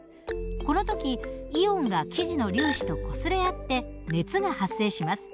この時イオンが生地の粒子とこすれ合って熱が発生します。